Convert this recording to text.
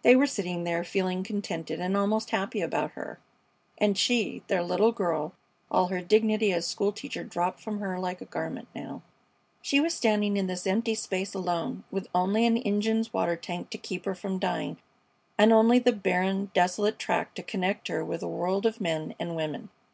They were sitting there, feeling contented and almost happy about her, and she, their little girl all her dignity as school teacher dropped from her like a garment now she was standing in this empty space alone, with only an engine's water tank to keep her from dying, and only the barren, desolate track to connect her with the world of men and women.